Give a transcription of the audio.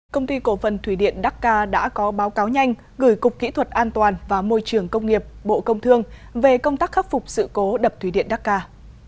công ty cổ phần thủy điện dakar đã có báo cáo nhanh gửi cục kỹ thuật an toàn và môi trường công nghiệp bộ công thương về công tác khắc phục sự cố đập thủy điện dakar